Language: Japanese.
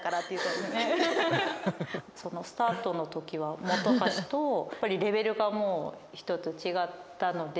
スタートの時は本橋とやっぱりレベルがもう１つ違ったので。